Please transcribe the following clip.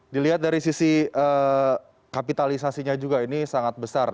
dilihat dari sisi kapitalisasinya juga ini sangat besar